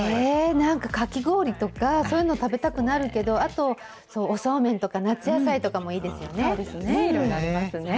なんかかき氷とか、そういうの食べたくなるけど、あと、おそうめんとか、夏野菜とかもいいそうですね、いろいろありますね。